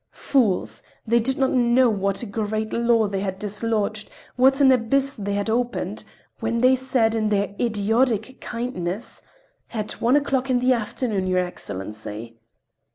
Fools—they did not know what a great law they had dislodged, what an abyss they had opened, when they said in their idiotic kindness: "At one o'clock in the afternoon, your Excellency!"